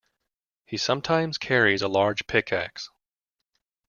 He sometimes carries a large pickax.